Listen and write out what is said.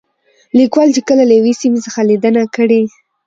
ليکوال چې کله له يوې سيمې څخه ليدنه کړې